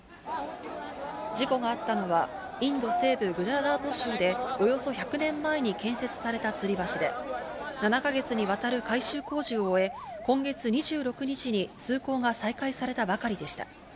事故があったのはインド西部グジャラート州でおよそ１００年前に建設されたつり橋で、７か月にわたる改修工事を終え、今月２６日に通行が再開されたばかりでした。